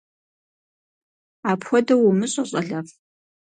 Апхуэдэу умыщӀэ, щӀалэфӀ!